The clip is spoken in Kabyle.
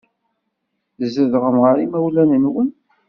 Tzedɣem ɣer yimawlan-nwen.